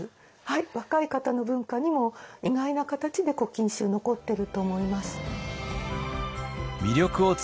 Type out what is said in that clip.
若い方の文化にも意外な形で「古今集」残ってると思います。